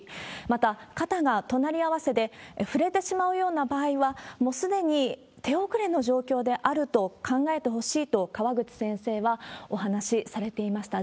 また、肩が隣り合わせで触れてしまうような場合は、もうすでに手遅れの状況であると考えてほしいと、川口先生はお話しされていました。